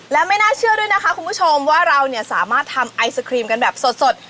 และไม่น่าเชื่อด้วยนะคะคุณผู้ชมว่าเราเนี่ยสามารถทำไอศครีมกันแบบสด